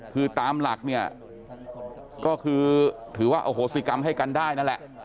คือตามหลักเนี่ยก็คือถือว่าอโหสิกรรมให้กันได้นั่นแหละ